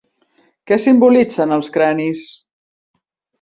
Què simbolitzen els cranis?